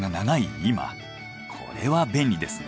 今これは便利ですね。